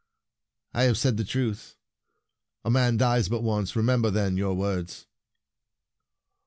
I have said the truth. A man dies but once ! Remember, then, your words."